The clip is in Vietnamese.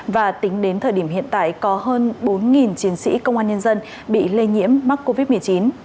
và tính đến thời điểm hiện tại có hơn bốn chiến sĩ công an nhân dân bị lây nhiễm mắc covid một mươi chín